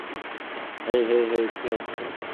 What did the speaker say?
হেই, hey, hey, কী হচ্ছে?